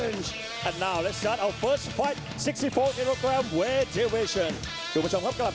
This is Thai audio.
มาพร้อมกับเข็มขัด๔๙กิโลกรัมซึ่งตอนนี้เป็นของวัดสินชัยครับ